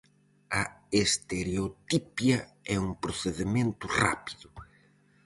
A estereotipia é un procedemento rápido.